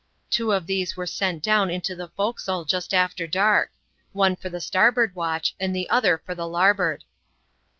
Two of these were sent down into the fore castle, just after dark ; one for the starboard watch, and the other for the larboard.